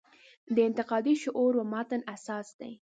د انتقادي شعور و متن اساس دی.